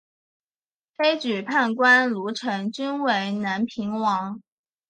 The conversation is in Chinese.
推举判官卢成均为南平王。